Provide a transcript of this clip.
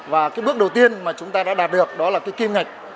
và cái bước đầu tiên mà chúng ta đã đạt được đó là cái kim ngạch